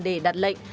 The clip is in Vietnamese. để đặt lệnh